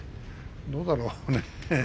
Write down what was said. どうだろうね。